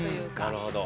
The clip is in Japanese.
なるほど。